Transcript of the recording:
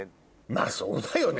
まぁそうだよね